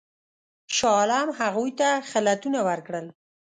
شاه عالم هغوی ته خلعتونه ورکړل.